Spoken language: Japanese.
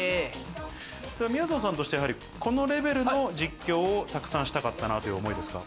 みやぞんさんとしては、このレベルの実況を沢山したかったなという思いですか？